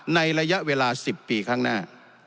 ในระยะเวลา๑๐ปีข้างหน้า